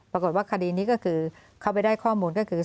ปรากฏว่าคดีนี้ก็คือเขาไปได้ข้อมูลก็คือ